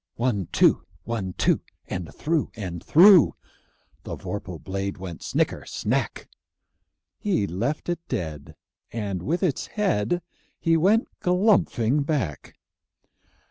One, two! One, two! And through and through The vorpal blade went snicker snack! He left it dead, and with its head He went galumphing back.